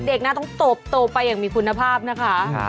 เด็กนะต้องเติบโตไปอย่างมีคุณภาพนะคะ